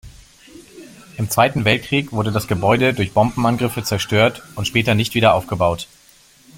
Im Zweiten Weltkrieg wurde das Gebäude durch Bombenangriffe zerstört und später nicht wieder aufgebaut.